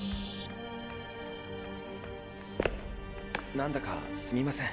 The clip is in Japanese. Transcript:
何だかすみません。